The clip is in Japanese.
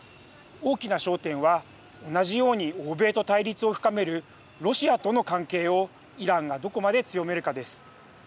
大きな焦点は同じように欧米と対立を深めるロシアとの関係をイランがどこまで強めるかです。